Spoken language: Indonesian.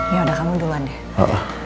ini udah kamu duluan deh